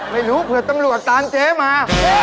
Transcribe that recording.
ไม่รู้เผื่อตำรวจตามเจ๊มา